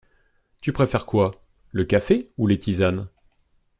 Il préfère quoi? Le café ou les tisanes ?